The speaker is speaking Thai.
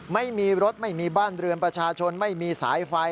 ไม่มีรถไม่มีบ้านเรือนประชาชนไม่มีสายไฟ